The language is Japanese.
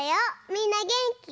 みんなげんき？